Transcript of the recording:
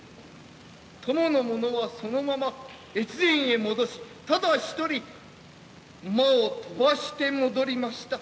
供の者はそのまま越前へ戻しただ一人馬を飛ばして戻りました。